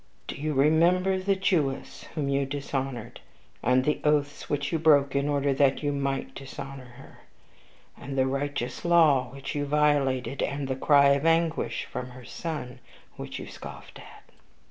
Do you remember the Jewess whom you dishonored, and the oaths which you broke in order that you might dishonor her, and the righteous law which you violated, and the cry of anguish from her son which you scoffed at?'